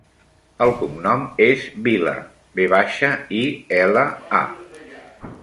El cognom és Vila: ve baixa, i, ela, a.